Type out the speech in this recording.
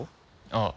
ああ。